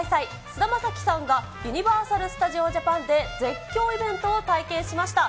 菅田将暉さんがユニバーサル・スタジオ・ジャパンで絶叫イベントを体験しました。